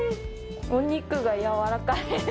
お肉がやわらかいです。